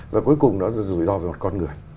và cuối cùng đó là rủi ro về một con người